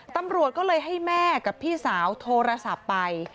ตำรวจก็เลยให้แม่กับพี่สาวโทรศัพท์ไป